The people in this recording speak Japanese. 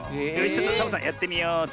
ちょっとサボさんやってみようっと。